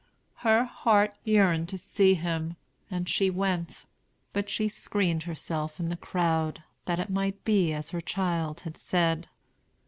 Her heart yearned to see him, and she went; but she screened herself in the crowd, that it might be as her child had said.